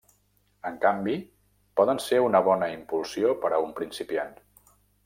En canvi poden ser una bona impulsió per a un principiant.